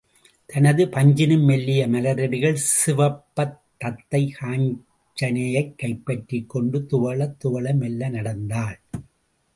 தனது பஞ்சினும் மெல்லிய மலரடிகள் சிவப்பத் தத்தை காஞ்சனையைக் கைப்பற்றிக் கொண்டு துவளத் துவள மெல்ல நடந்தாள்.